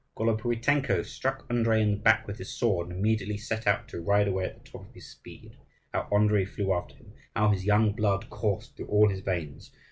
Golopuitenko struck Andrii on the back with his sword, and immediately set out to ride away at the top of his speed. How Andrii flew after him! How his young blood coursed through all his veins!